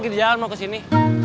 denny lagi main ke situ